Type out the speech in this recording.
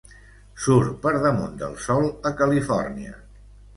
Surt per damunt del sol a Califòrnia.